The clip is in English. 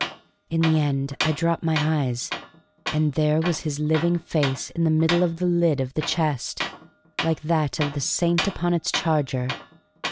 In the end I dropped my eyes, and there was his living face in the middle of the lid of the chest, like that of the saint upon its charger.